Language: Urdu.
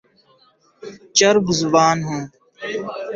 چرب زبان ہوں